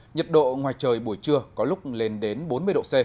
nhiệt độ ngoài trời buổi trưa có lúc lên đến bốn mươi độ c